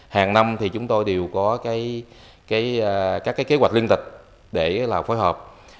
hàng năm chúng tôi đều có các kế hoạch liên tịch để phối hợp